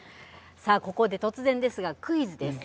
さあここで突然ですがクイズです。